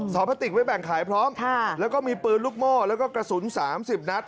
พลาติกไว้แบ่งขายพร้อมแล้วก็มีปืนลูกโม่แล้วก็กระสุน๓๐นัด